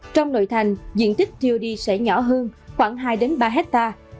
trong nội thành diện tích tod sẽ nhỏ hơn khoảng hai ba hectare